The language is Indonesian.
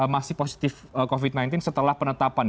masih positif covid sembilan belas setelah penetapan